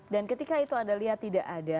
dan ketika itu ada lihat tidak ada